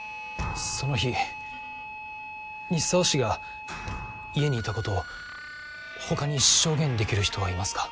その日西澤氏が家にいたことを他に証言できる人はいますか？